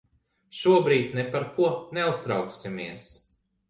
Šobrīd ne par ko neuztrauksimies.